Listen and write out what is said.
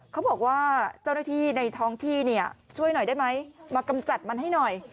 เขาบอกว่าเจ้าหน้าที่ในท้องที่เนี่ยช่วยหน่อยได้ไหมมากำจัดมันให้หน่อย